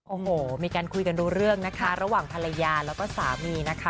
โอ้โหมีการคุยกันรู้เรื่องนะคะระหว่างภรรยาแล้วก็สามีนะคะ